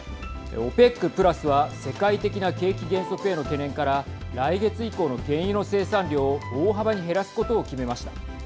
ＯＰＥＣプラスは世界的な景気減速への懸念から来月以降の原油の生産量を大幅に減らすことを決めました。